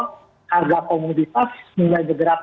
harga komoditas mulai gegerak